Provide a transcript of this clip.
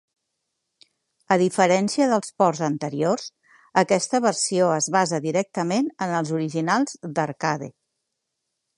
A diferència dels ports anteriors, aquesta versió es basa directament en els originals d'arcade.